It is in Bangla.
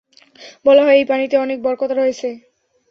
বলা হয় এই পানিতে অনেক বরকত রয়েছে।